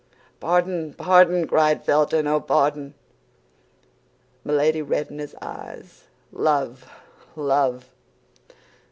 "Pardon! Pardon!" cried Felton, "oh, pardon!" Milady read in his eyes _love! love!